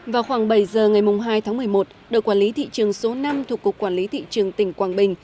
vào khoảng bảy giờ ngày hai tháng một mươi một đội quản lý thị trường số năm thuộc cục quản lý thị trường tỉnh quảng bình